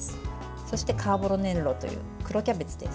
そして、カーボロネロという黒キャベツです。